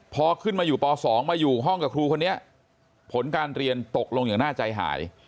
พอขึ้นมาอยู่ป๒มาอยู่ห้องกับครูคนนี้ผลการเรียนตกลงอย่างน่าใจหาย